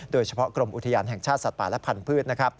โดยเฉพาะกรมอุทยานแห่งชาติสัตว์ป่าและพันธุ์